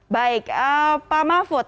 baik pak mahfud